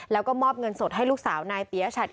แล้วก็มอบเงินสดให้ลูกสาวนายปียชัด